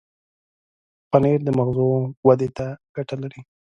پنېر د مغزو ودې ته ګټه لري.